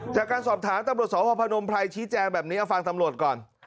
จากการสอบถามตำรวจสพพนมไพรชี้แจงแบบนี้เอาฟังตำรวจก่อน